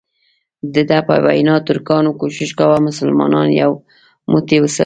دده په وینا ترکانو کوښښ کاوه مسلمانان یو موټی وساتي.